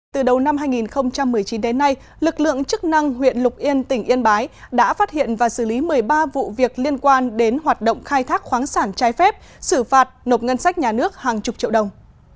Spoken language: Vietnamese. từ đầu năm hai nghìn một mươi chín đến nay lực lượng chức năng huyện lục yên tỉnh yên bái đã phát hiện và xử lý một mươi ba vụ việc liên quan đến hoạt động khai thác khoáng sản trái phép xử phạt nộp ngân sách nhà nước hàng chục triệu đồng